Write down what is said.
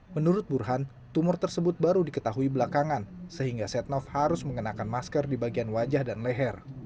menurut burhan tumor tersebut baru diketahui belakangan sehingga setnov harus mengenakan masker di bagian wajah dan leher